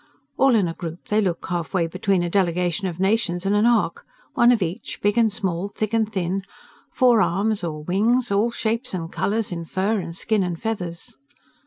All in a group they look half way between a delegation of nations and an ark, one of each, big and small, thick and thin, four arms or wings, all shapes and colors in fur and skin and feathers.